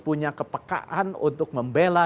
punya kepekaan untuk membela